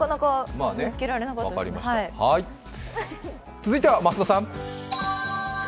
続いては増田さん。